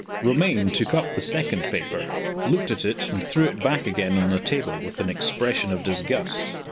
Romayne took up the second paper, looked at it, and threw it back again on the table with an expression of disgust.